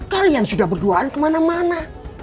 kalian sudah berduaan kemana mana